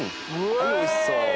はい美味しそう！